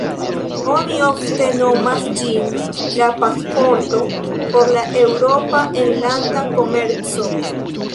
Oni ofte nomas ĝin la "pasporto" por la Eŭropa enlanda komerco.